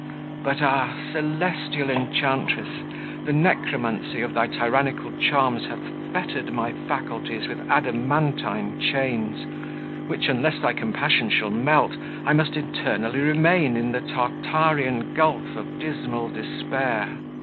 But, ah! celestial enchantress! the necromancy of thy tyrannical charms hath fettered my faculties with adamantine chains, which, unless thy compassion shall melt I must eternally remain in the Tartarean gulf of dismal despair.